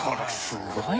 すごい。